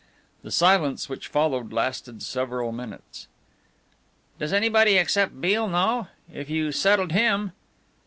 The silence which followed lasted several minutes. "Does anybody except Beale know? If you settled him...?"